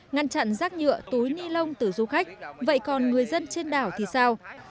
ngăn chặn rác nhựa túi ni lông từ du khách vậy còn người dân trên đảo thì sao